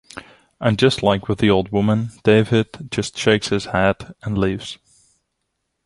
And just like with the old woman, David just shakes his head and leaves.